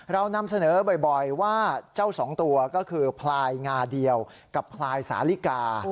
เรานำเสนอบ่อยว่าเจ้าสองตัวก็คือพลายงาเดียวกับพลายสาลิกา